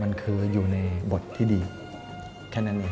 มันคืออยู่ในบทที่ดีแค่นั้นเอง